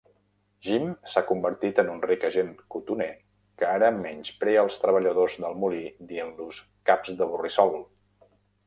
Jim s'ha convertir en un ric agent cotoner que ara menysprea els treballadors del molí dient-los "caps de borrissol".